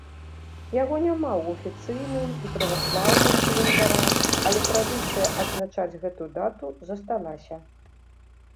Яго няма ў афіцыйным і праваслаўным календарах, але традыцыя адзначаць гэту дату засталася.